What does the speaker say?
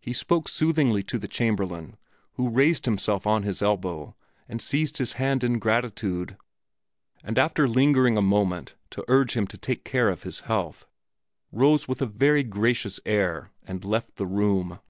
He spoke soothingly to the Chamberlain, who raised himself on his elbow and seized his hand in gratitude, and, after lingering a moment to urge him to take care of his health, rose with a very gracious air and left the room.